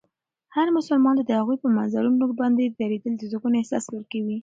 هر مسلمان ته د هغوی په مزارونو باندې درېدل د سکون احساس ورکوي.